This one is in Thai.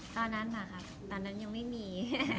ตอนนั้นมาครับตอนนั้นยังไม่มี